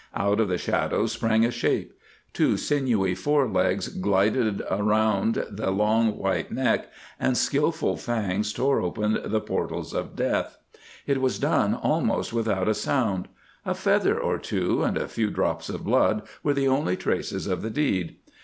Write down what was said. Out of the shadows sprang a shape; two sinewy forelegs glided around the long white neck and skilful fangs tore open the portals of death. It was done almost without a sound. A feather or two and a few drops of blood were the only traces of the deed.